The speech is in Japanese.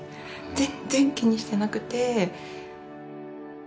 全然気にしていなくて。